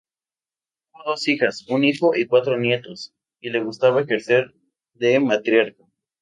Tuvo dos hijas, un hijo y cuatro nietos, y le gustaba ejercer de matriarca.